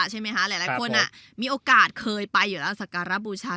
หลายคนมีโอกาสเคยไปอยู่แล้วสการบูชา